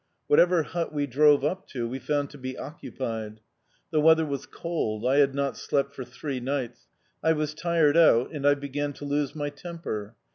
Whatever hut we drove up to we found to be occupied. The weather was cold; I had not slept for three nights; I was tired out, and I began to lose my temper.